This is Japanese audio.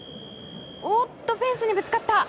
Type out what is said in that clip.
おっと、フェンスにぶつかった！